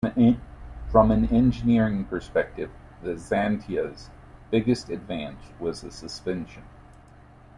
From an engineering perspective, the Xantia's biggest advance was the suspension.